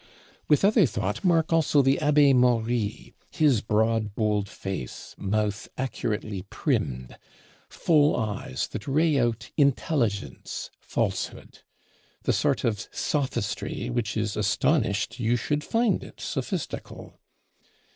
With other thought, mark also the Abbé Maury; his broad bold face, mouth accurately primmed, full eyes, that ray out intelligence, falsehood, the sort of sophistry which is astonished you should find it sophistical.